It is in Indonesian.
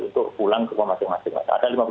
untuk pulang ke rumah masing masing